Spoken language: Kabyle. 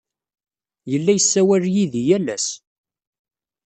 Yella yessawal yid-i yal ass.